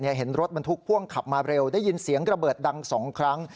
เห็นรถบรรทุกพ่วงขับมาเร็วได้ยินเสียงระเบิดดัง๒ครั้ง